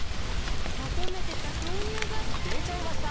求めてた豆乳がでちゃいました！